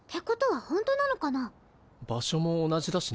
場所も同じだしな。